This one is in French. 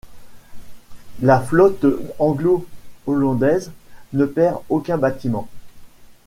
La flotte anglo-hollandaise ne perd aucun bâtiment.